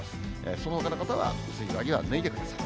そのほかの方は薄い上着は脱いでください。